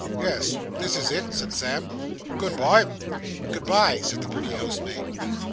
'Yes, this is it,' said Sam. 'Good bye!' 'Good bye!' said the pretty housemaid.